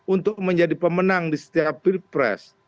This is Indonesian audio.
untuk menjadi pemenang di setiap pilpres